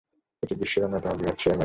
এটি বিশ্বের অন্যতম বৃহৎ শেয়ার বাজার।